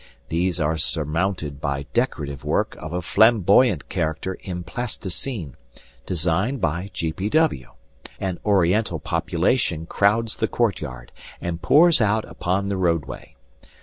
These are surmounted by decorative work of a flamboyant character in plasticine, designed by G. P. W. An oriental population crowds the courtyard and pours out upon the roadway.